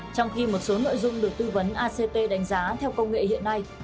trong khi một số nội dung được tư vấn acp đánh giá theo công nghệ hiện nay